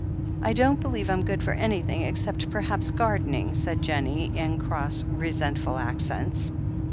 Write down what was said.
"I don't believe I'm good for anything, except per haps gardening," said Jennie, in cross, resentful ac cents.